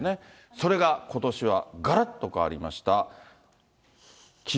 それがことしはがらっと変わりました。